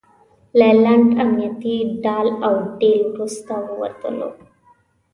له لنډ امنیتي ډال او ډیل وروسته ووتلو.